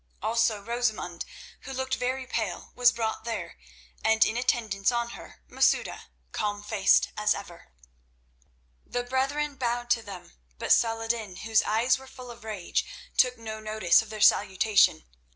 Also Rosamund, who looked very pale, was brought there, and in attendance on her Masouda, calm faced as ever. The brethren bowed to them, but Saladin, whose eyes were full of rage, took no notice of their salutation.